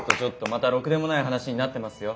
またろくでもない話になってますよ。